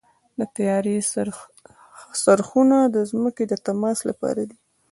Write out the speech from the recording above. د طیارې څرخونه د ځمکې د تماس لپاره دي.